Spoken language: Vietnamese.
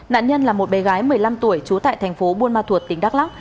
nạn nhân là một bé gái một mươi năm tuổi trú tại thành phố buôn ma thuột tỉnh đắk lắc